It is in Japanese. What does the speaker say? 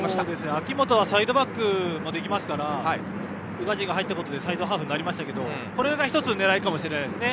明本はサイドバックもできますから宇賀神が入ったことでサイドハーフになりましたがこれが１つの狙いかもしれないですね。